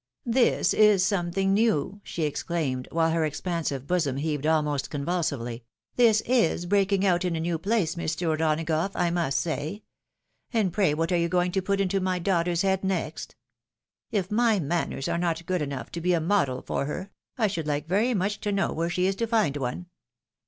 " This is something new !" she exclaimed, while her expan sive bosom heaved almost convulsively; "this is breaking out in a new place, Mr. O'Donagough, I must say. And pray what are you going to put^ into my daughter's head next ? If my manners are not good enough to be a model for her, I should like very much to know where she is to find one.